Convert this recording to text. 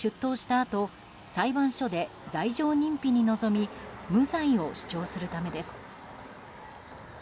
あと裁判所で罪状認否に臨み無罪を主張するためです。